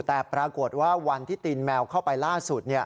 แต่ปรากฏว่าวันที่ตีนแมวเข้าไปล่าสุด